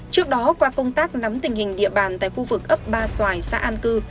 trước đó qua công tác nắm tình hình địa bàn tại khu vực ấp ba xoài xã an cư